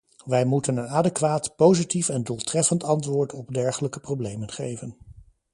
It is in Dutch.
Wij moeten een adequaat, positief en doeltreffend antwoord op dergelijke problemen geven.